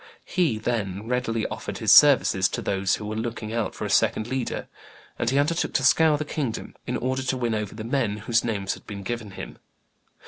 He, then, readily offered his services to those who were looking out for a second leader, and he undertook to scour the kingdom in order to win over the men whose names had been given him.